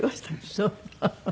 そう！